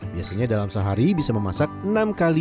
biasanya dalam sehari bisa memasak enam kali hingga enam belas kali